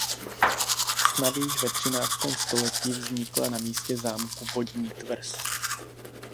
Snad již ve třináctém století vznikla na místě zámku vodní tvrz.